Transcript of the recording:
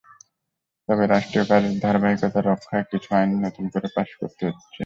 তবে রাষ্ট্রীয় কাজের ধারাবাহিকতা রক্ষায় কিছু আইন নতুন করে পাস করতে হচ্ছে।